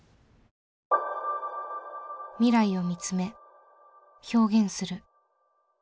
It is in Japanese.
未来を見つめ表現する。